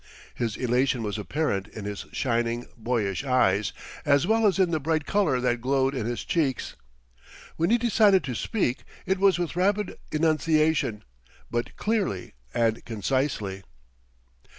His elation was apparent in his shining, boyish eyes, as well as in the bright color that glowed in his cheeks. When he decided to speak it was with rapid enunciation, but clearly and concisely.